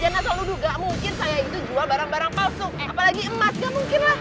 jelas lo lho nggak mungkin saya itu jual barang barang palsu apalagi emas nggak mungkin lah